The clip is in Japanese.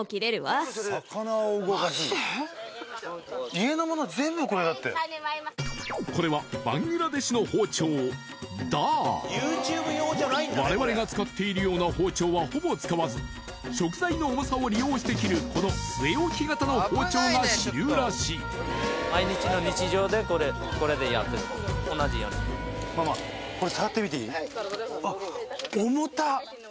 家のもの全部これだってこれは我々が使っているような包丁はほぼ使わず食材の重さを利用して切るこの据え置き型の包丁が主流らしい同じようにママこれ触ってみていい？